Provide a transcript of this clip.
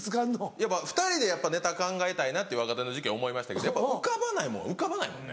やっぱ２人でネタ考えたいなって若手の時期思いましたけど浮かばないものは浮かばないもんね。